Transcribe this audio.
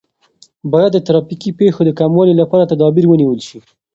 باید د ترافیکي پیښو د کموالي لپاره تدابیر ونیول سي.